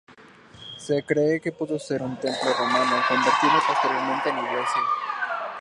Se cree que pudo ser un templo romano, convertido posteriormente en iglesia.